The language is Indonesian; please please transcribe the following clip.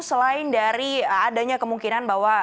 selain dari adanya kemungkinan bahwa